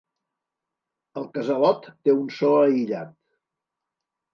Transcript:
El casalot té un so aïllat.